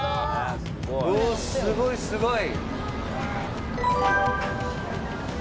すごいすごい。